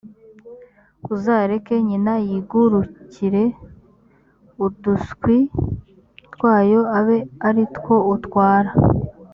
uzareke nyina yigurukire, uduswi twayo abe ari two utwara.